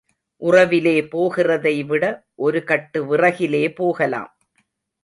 உறவிலே போகிறதைவிட ஒரு கட்டு விறகிலே போகலாம்.